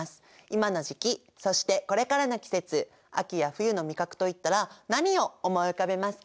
今の時期そしてこれからの季節秋や冬の味覚といったら何を思い浮かべますか？